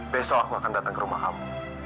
besok aku akan datang ke rumah kamu